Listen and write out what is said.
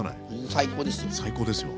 最高ですよ。